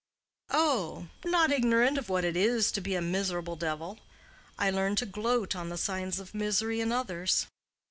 "Oh—not ignorant of what it is to be a miserable devil, I learn to gloat on the signs of misery in others.